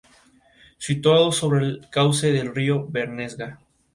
Situado sobre el cauce del río Bernesga.